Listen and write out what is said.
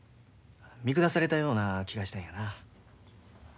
見下されたような気がしたんやな。